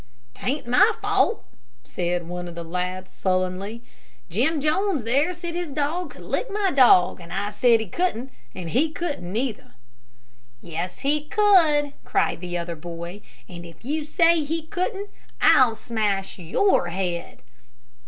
"'Taint my fault," said one of the lads, sullenly. "Jim Jones there said his dog could lick my dog, and I said he couldn't and he couldn't, neither. "Yes, he could," cried the other boy; "and if you say he couldn't, I'll smash your head."